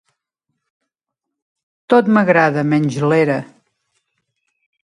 Tot m'agrada, menys l'era.